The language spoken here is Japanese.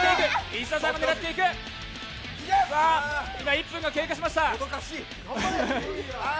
１分が経過しました。